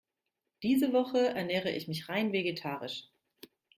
Diese Woche ernähre ich mich rein vegetarisch.